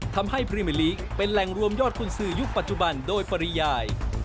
ทำให้พรีเมอร์ลีกเป็นแหล่งรวมยอดกุญสือยุคปัจจุบันโดยปริยาย